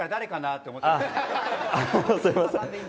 あっすいません。